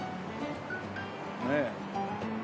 ねえ。